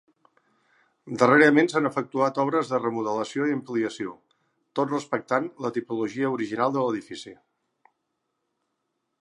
Darrerament s'han efectuat obres de remodelació i ampliació, tot respectant la tipologia original de l'edifici.